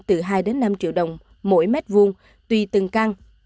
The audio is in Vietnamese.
từ hai đến năm triệu đồng mỗi mét vuông tùy từng căn